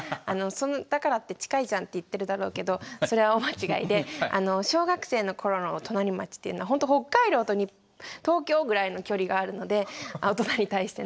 だからって近いじゃんって言ってるだろうけどそれは大間違いであの小学生の頃の隣町っていうのはほんと北海道と東京ぐらいの距離があるので大人に対しての。